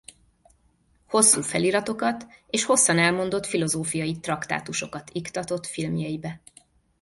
Hosszú feliratokat és hosszan elmondott filozófiai traktátusokat iktatott filmjeibe.